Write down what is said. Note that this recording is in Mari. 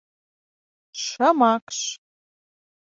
шымакш